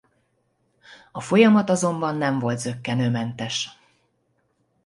A folyamat azonban nem volt zökkenőmentes.